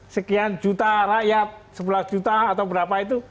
sekian juta rakyat sebelas juta atau berapa itu